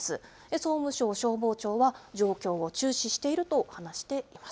総務省消防庁は、状況を注視していると話しています。